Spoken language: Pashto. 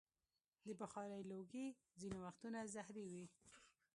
د بخارۍ لوګی ځینې وختونه زهري وي.